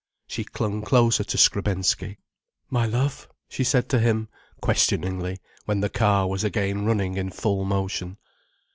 She clung closer to Krebensky. "My love?" she said to him, questioningly, when the car was again running in full motion.